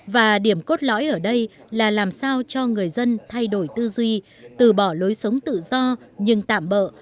và điểm cốt lõi ở đây là làm sao cho người dân thay đổi tư duy từ bỏ lối sống tự do nhưng tạm bỡ